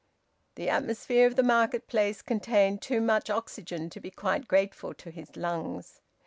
The atmosphere of the marketplace contained too much oxygen to be quite grateful to his lungs...